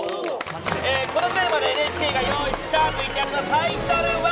このテーマでＮＨＫが用意したＶＴＲのタイトルは。